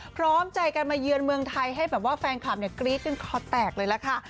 พร้อมใจกันมาเยือนเมืองไทยให้แบบว่าแฟนคลับเนี่ยกรี๊ดจนคอแตกเลยล่ะค่ะ